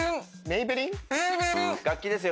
楽器ですよ